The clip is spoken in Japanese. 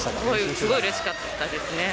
すごいうれしかったですね。